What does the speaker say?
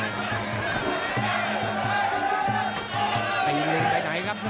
น้ำเงินเปิดเกม